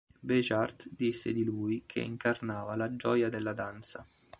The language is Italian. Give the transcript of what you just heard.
Béjart disse di lui, che incarnava la gioia della danza.